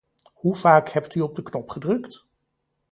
Hoe vaak hebt u op de knop gedrukt?